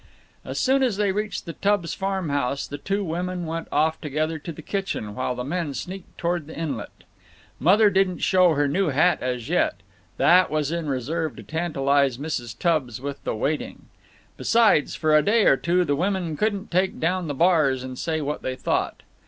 As soon as they reached the Tubbs farm house the two women went off together to the kitchen, while the men sneaked toward the inlet. Mother didn't show her new hat as yet; that was in reserve to tantalize Mrs. Tubbs with the waiting. Besides, for a day or two the women couldn't take down the bars and say what they thought.